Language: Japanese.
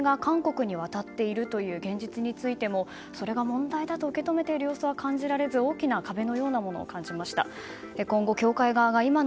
そして、日本から多額の献金が韓国に渡っている現実についてもそれが問題だと受け止めているようには感じず大きな壁のようなものを感じました。